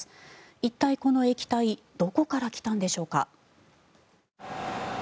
一体、この液体どこから来たのでしょうか。